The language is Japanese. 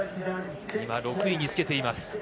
今６位につけています。